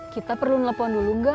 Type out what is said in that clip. kita perlu nelfon dulu nggak